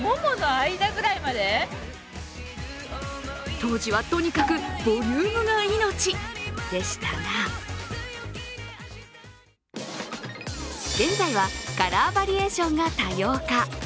当時はとにかくボリュームが命でしたが現在はカラーバリエーションが多様化。